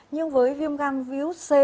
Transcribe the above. nhưng với viêm gan virus c